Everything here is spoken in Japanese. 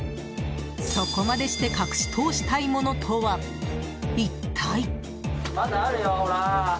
そこまでして隠し通したいものとは、一体。